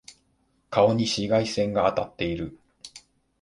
顔に紫外線が当たってる。